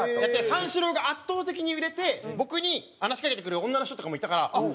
三四郎が圧倒的に売れて僕に話しかけてくる女の人とかもいたからあっ